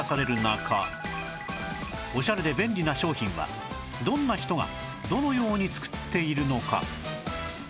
オシャレで便利な商品はどんな人がどのように作っているのか？